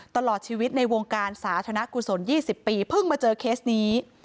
ตลอดชีวิตในวงการสาธารณกุศล๒๐ปีเพิ่งมาเจอเคสนี้